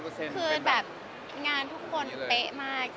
คืองานทุกคนเกะมาก